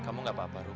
kamu gak apa apa rum